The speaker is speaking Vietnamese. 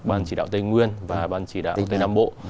ban chỉ đạo tây nguyên và ban chỉ đạo tây nam bộ